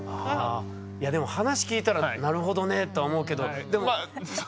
いやでも話聞いたらなるほどねとは思うけど。